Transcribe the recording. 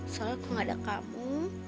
soalnya kalau gak ada kamu